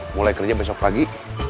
mulai kerja besok pagi